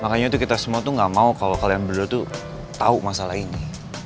makanya itu kita semua tuh ga mau kalo kalian berdua tuh tau masalah ini